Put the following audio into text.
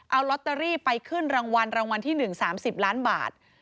เอาลอตเตอรี่ไปขึ้นรางวัลรางวัลที่๑๓๐ล้านบาท